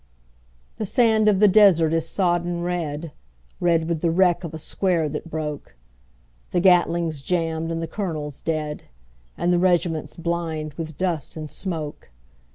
The sand of the desert is sodden red, Red with the wreck of a square that broke; The Gatling's jammed and the colonel dead, And the regiment blind with dust and smoke.